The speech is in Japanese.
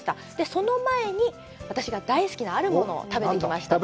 その前に、私が大好きな、あるものを食べてきました。